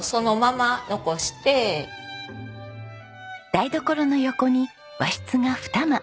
台所の横に和室が二間。